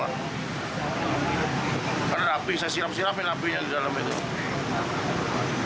karena api saya siram siram apinya di dalam itu